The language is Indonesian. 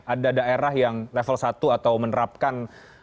ada daerah yang level satu atau menerapkan